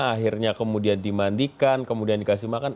akhirnya kemudian dimandikan kemudian dikasih makan